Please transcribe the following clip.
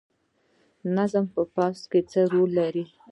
نظم په پوځ کې څه رول لري؟